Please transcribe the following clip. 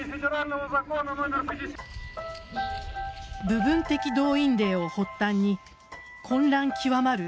部分的動員令を発端に混乱極まる